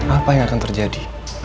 apa yang akan terjadi